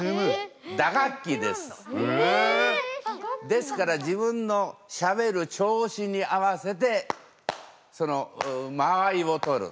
ですから自分のしゃべる調子に合わせてその間合いを取る。